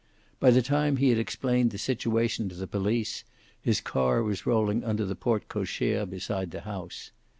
By the time he had explained the situation to the police, his car was rolling under the porte cochere beside the house.